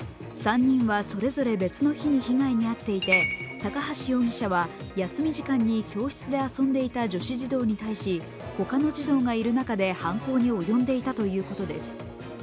３人はそれぞれ別の日に被害に遭っていて、高橋容疑者は休み時間に教室で遊んでいた女子児童に対し他の児童がいる中で犯行に及んでいたということです。